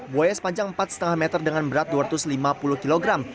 buaya sepanjang empat lima meter dengan berat dua ratus lima puluh kg